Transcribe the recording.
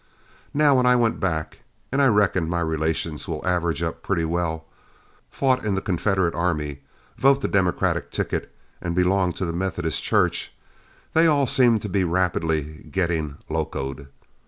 Now, when I went back, and I reckon my relations will average up pretty well, fought in the Confederate army, vote the Democratic ticket, and belong to the Methodist church, they all seemed to be rapidly getting locoed.